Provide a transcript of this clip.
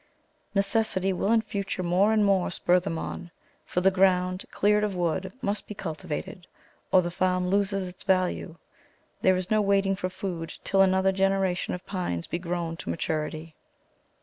Necessity will in future more and more spur them on; for the ground, cleared of wood, must be cultivated, or the farm loses its value; there is no waiting for food till another generation of pines be grown to maturity.